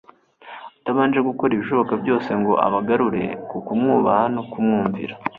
atabanje gukora ibishoboka byose ngo abagarure ku kumwubaha no kumwumvira